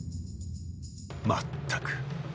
まったく。